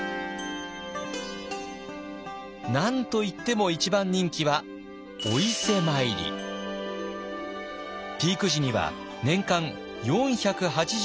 何といっても一番人気はピーク時には年間４８０万人以上。